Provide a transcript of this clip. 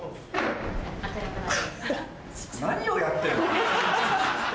何をやってんの？